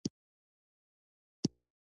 اتن د خوښۍ نښه ده.